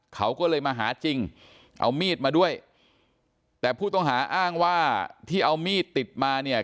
เขาก็เลยมาหาจริงเอามีดมาด้วยแต่ผู้ต้องหาอ้างว่าที่เอามีดติดมาเนี่ย